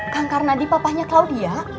kang karnadi papahnya claudia